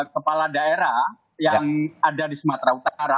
kepala daerah yang ada di sumatera utara